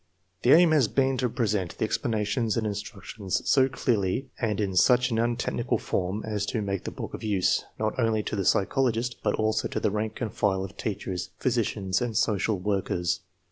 The aim has been to present the explanations and instruc tions so clearly and in such an untechnical form as to make the book of use, not only to the psychologist, but also to the rank and file of teachers, physicians, and social workers.